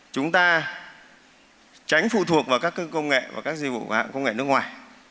chúng ta tránh phụ thuộc vào các công nghệ và các dịch vụ của hãng công nghệ nước ngoài